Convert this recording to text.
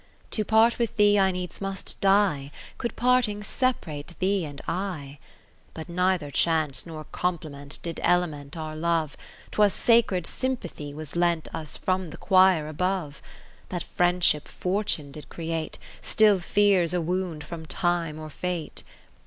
To part with thee I needs must die, Could parting sep'rate thee and I. II But neither Chance nor Compliment Did element our Love ; 'Twas sacred Sympathy was lent Us from the quire above. 10 That Friendship Fortune did create, Still fears a wound from Time or Fate.